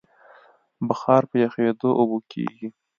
بخار په یخېدو اوبه کېږي.